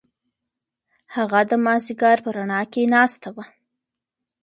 هغه د مازیګر په رڼا کې ناسته وه.